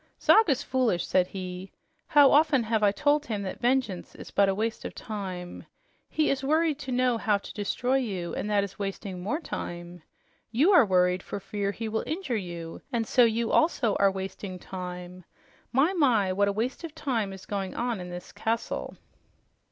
"Zog is foolish," said he. "How often have I told him that vengeance is a waste of time. He is worried to know how to destroy you, and that is wasting more time. You are worried for fear he will injure you, and so you also are wasting time. My, my! What a waste of time is going on in this castle!"